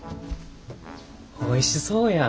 おいしそうやん。